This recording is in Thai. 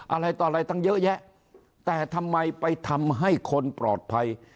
อะไรต่ออะไรตั้งเยอะแยะแต่ทำไมไปทำให้คนปลอดภัย